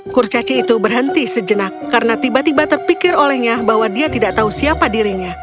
kurcaci itu berhenti sejenak karena tiba tiba terpikir olehnya bahwa dia tidak tahu siapa dirinya